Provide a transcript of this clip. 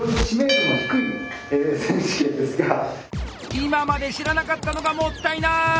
今まで知らなかったのがもったいない！